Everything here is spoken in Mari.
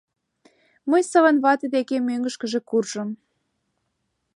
Мый Саван вате деке мӧҥгышкыжӧ куржым.